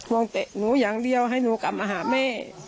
วงเตะหนูอย่างเดียวให้หนูกลับมาหาแม่